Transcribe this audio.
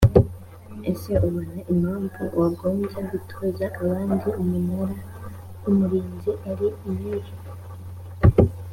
ese ubona impamvu wagombye gutoza abandi umunara w umurinzi ari iyihe?